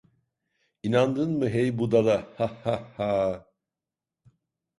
İnandın mı hey budala hah hah ha…